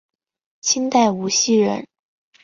清代无锡人。